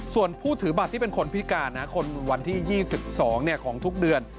ส่วนผู้ถือบัตรที่เป็นคนพิการนะคนวันที่๒๒ของทุกเดือน